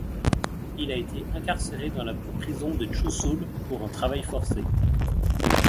Il a été incarcéré dans la prison de Chushul, pour un travail forcé.